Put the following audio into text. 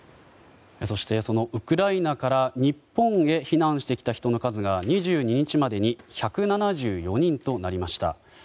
そのウクライナから日本へ避難してきた人の数が２２日までに１７４人となりました。